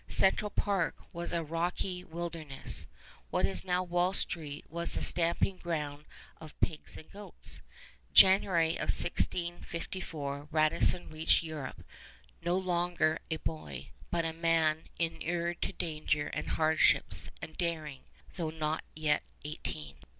Central Park was a rocky wilderness. What is now Wall Street was the stamping ground of pigs and goats. January of 1654 Radisson reached Europe, no longer a boy, but a man inured to danger and hardships and daring, though not yet eighteen.